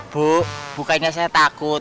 bu bukannya saya takut